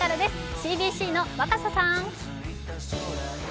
ＣＢＣの若狭さん。